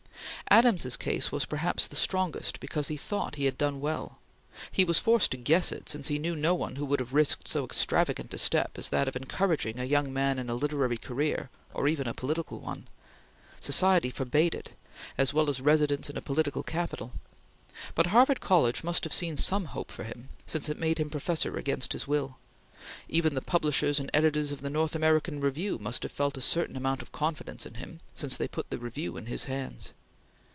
Adams's case was perhaps the strongest because he thought he had done well. He was forced to guess it, since he knew no one who would have risked so extravagant a step as that of encouraging a young man in a literary career, or even in a political one; society forbade it, as well as residence in a political capital; but Harvard College must have seen some hope for him, since it made him professor against his will; even the publishers and editors of the North American Review must have felt a certain amount of confidence in him, since they put the Review in his hands.